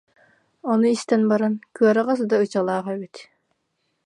Ону истэн баран, «кыараҕас да ычалаах эбит